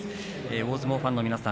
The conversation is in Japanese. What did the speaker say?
大相撲ファンの皆さん